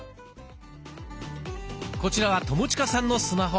こちらは友近さんのスマホ。